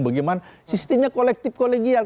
bagaimana sistemnya kolektif kolegial